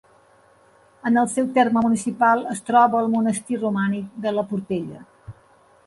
En el seu terme municipal es troba el monestir romànic de la Portella.